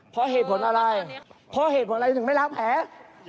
เพราะเหตุผลอะไรถึงไม่ล้างแผล